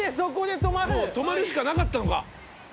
もう止まるしかなかったのか。